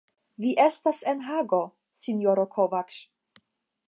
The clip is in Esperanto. Vi estas en Hago, sinjoro Kovacs.